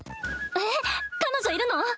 えっ彼女いるの？